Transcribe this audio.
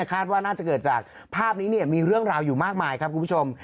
คาดว่าน่าจะเกิดจากภาพนี้มีเรื่องราวอยู่มากมายครับคุณผู้ชม